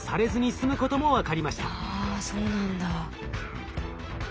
あそうなんだ。